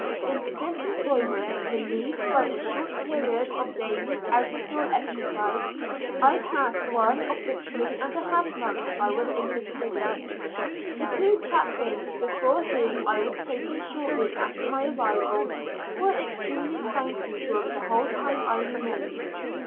In this employment, relieved by a short period of daily out of door exercise, I passed one of the three and a half months I was in this prison. The two chaplains before whom I was taken shortly after my arrival, were extremely kind to me during the whole time I remained.